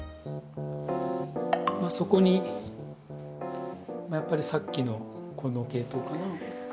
そこにやっぱりさっきのこの系統かな。